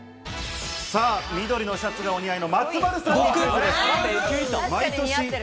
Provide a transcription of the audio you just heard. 緑のシャツがお似合いの松丸さんにクイズです。